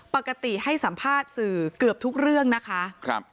ปกติให้สัมภาษณ์สื่อเกือบทุกเรื่องนะคะ